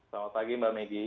selamat pagi mbak megi